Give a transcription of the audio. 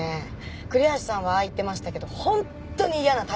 栗橋さんはああ言ってましたけど本当に嫌なた